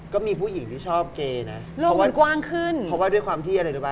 ก็มีผู้หญิงที่ชอบกลายนะ